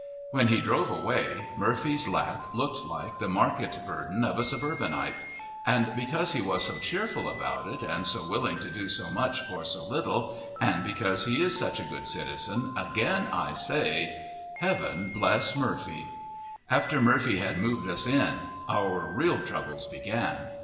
When he drove away Murphy's lap looked like the market burden of a suburbanite. And because he was so cheerful about it, and so willing to do so much for so little, and because he is such a good citizen, again I say: "Heaven bless Murphy!" After Murphy had moved us in our real troubles began.